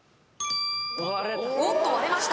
おっと割れました